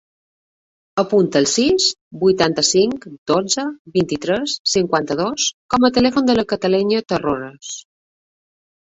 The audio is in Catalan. Apunta el sis, vuitanta-cinc, dotze, vint-i-tres, cinquanta-dos com a telèfon de la Cataleya Terrones.